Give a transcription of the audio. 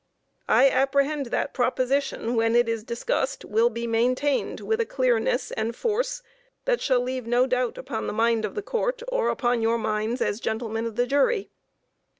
I apprehend that that proposition, when it is discussed, will be maintained with a clearness and force that shall leave no doubt upon the mind of the Court or upon your minds as the gentlemen of the jury.